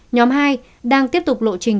nhóm hai đang tiếp tục lộ trình